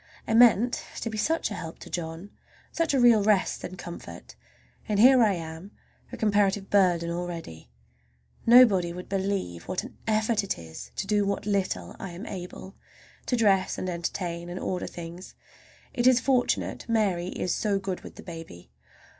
I meant to be such a help to John, such a real rest and comfort, and here I am a comparative burden already! Nobody would believe what an effort it is to do what little I am able—to dress and entertain, and order things. It is fortunate Mary is so good with the baby.